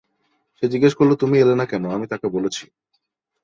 সে জিজ্ঞেস করলো তুমি এলে না কেন, আমি তাকে বলেছি।